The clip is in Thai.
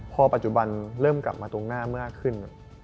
พอปัจจุบันเริ่มกลับมาตรงหน้ามากขึ้น